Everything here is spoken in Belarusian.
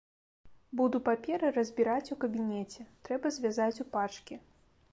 Буду паперы разбіраць у кабінеце, трэба звязаць у пачкі.